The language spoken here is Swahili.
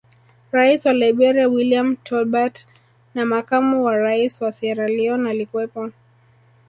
Rais wa Liberia William Tolbert na makamu wa Rais wa sierra Leone alikuwepo